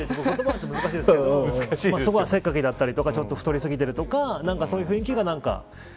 そこは汗かきだったり太りすぎてるとかそういう雰囲気や何か。